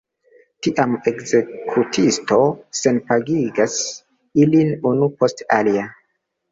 Tiam ekzekutisto senkapigas ilin unu post alia.